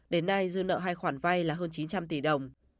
đến nay dương nợ hai khoản vai là hơn chín trăm linh tỷ đồng